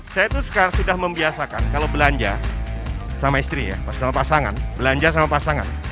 saya itu sekarang sudah membiasakan kalau belanja sama istri ya pas sama pasangan belanja sama pasangan